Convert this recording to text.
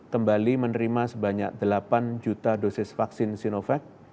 kembali menerima sebanyak delapan juta dosis vaksin sinovac